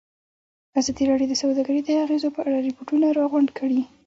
ازادي راډیو د سوداګري د اغېزو په اړه ریپوټونه راغونډ کړي.